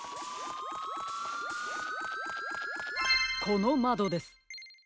このまどです。